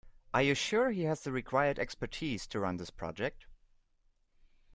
Are you sure he has the required expertise to run this project?